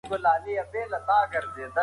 نیو ګیني ونې ساتنې ځای دی.